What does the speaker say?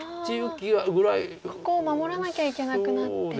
ここを守らなきゃいけなくなってと。